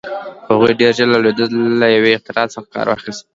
هغوی ډېر ژر له لوېدیځ له یوې اختراع څخه کار واخیست.